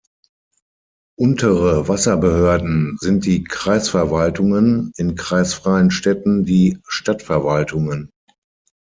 Untere Wasserbehörden sind die Kreisverwaltungen, in kreisfreien Städten die Stadtverwaltungen.